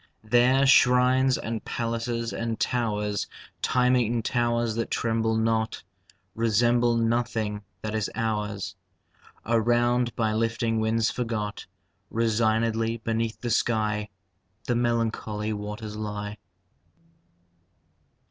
There shrines and palaces and towers (Time eaten towers that tremble not!) Resemble nothing that is ours. Around, by lifting winds forgot, Resignedly beneath the sky The melancholy waters lie.